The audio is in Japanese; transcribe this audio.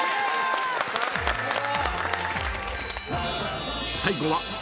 ・さすが！